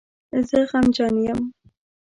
زه غمجن یم